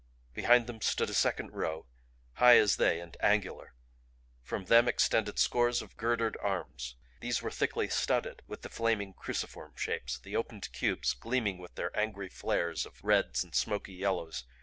Behind them stood a second row, high as they and as angular. From them extended scores of girdered arms. These were thickly studded with the flaming cruciform shapes, the opened cubes gleaming with their angry flares of reds and smoky yellows.